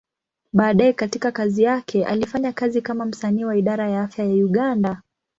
Baadaye katika kazi yake, alifanya kazi kama msanii wa Idara ya Afya ya Uganda.